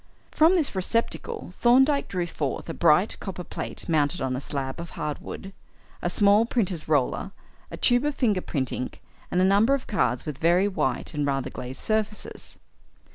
From this receptacle Thorndyke drew forth a bright copper plate mounted on a slab of hard wood, a small printer's roller, a tube of finger print ink, and a number of cards with very white and rather glazed surfaces.